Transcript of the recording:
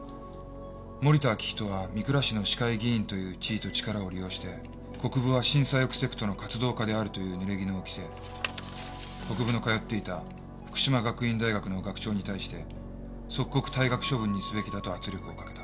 「森田明仁は御倉市の市会議員という地位と力を利用して国府は新左翼セクトの活動家であるという濡れ衣を着せ国府の通っていた福島学院大学の学長に対して即刻退学処分にすべきだと圧力をかけた」